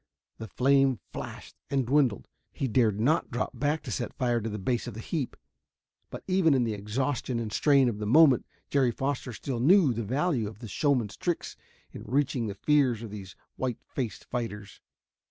The flame flashed and dwindled. He dared not drop back to set fire to the base of the heap. But even in the exhaustion and strain of the moment Jerry Foster still knew the value of the showman's tricks in reaching the fears of these white faced fighters.